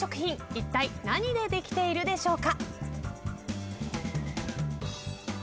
いったい何でできているでしょうか？